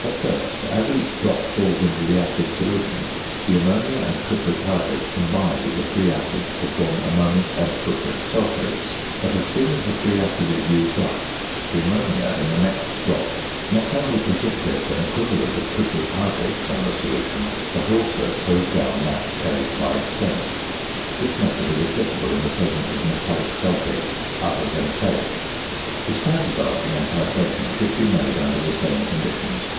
At first, as each drop falls into the acid solution, the ammonia and cupric hydrate combine with the free acid to form ammonic and cupric sulphates; but as soon as the free acid is used up, the ammonia in the next drop not only precipitates an equivalent of cupric hydrate from the solution, but also throws down that carried by itself. This method is applicable in the presence of metallic sulphates other than ferric. The standardising and titration should be made under the same conditions.